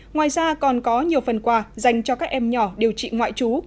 ngoài ra còn có nhiều phần quà dành cho các em nhỏ điều trị ngoại trú